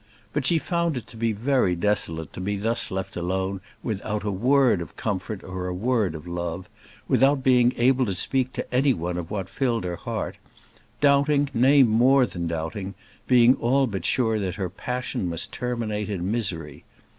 But she found it to be very desolate to be thus left alone without a word of comfort or a word of love; without being able to speak to any one of what filled her heart; doubting, nay, more than doubting, being all but sure that her passion must terminate in misery.